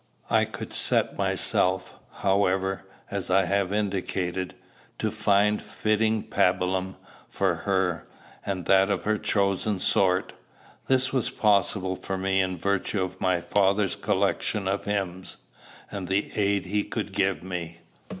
I could set myself, however, as I have indicated, to find fitting pabulum for her, and that of her chosen sort. This was possible for me in virtue of my father's collection of hymns, and the aid he could give me.